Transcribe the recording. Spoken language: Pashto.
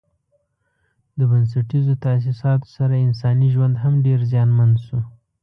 د بنسټیزو تاسیساتو سره انساني ژوند هم ډېر زیانمن شو.